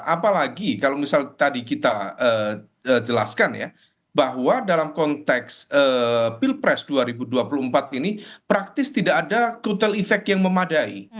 apalagi kalau misal tadi kita jelaskan ya bahwa dalam konteks pilpres dua ribu dua puluh empat ini praktis tidak ada kutel efek yang memadai